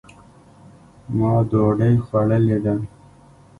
ما دوډۍ خوړلې ده